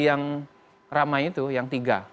yang ramai itu yang tiga